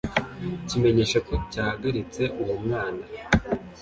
kimenyesha ko cyahagaritse uwo mwana